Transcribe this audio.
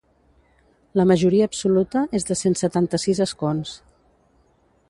La majoria absoluta és de cent setanta-sis escons.